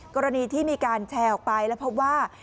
กรณีที่มีการแชร์ออกไปแล้วพบว่า